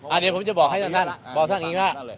อ่าเดี๋ยวผมจะบอกให้ท่านท่านบอกท่านอย่างงี้ล่ะ